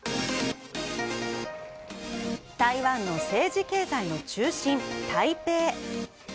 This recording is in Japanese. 台湾の政治・経済の中心、台北。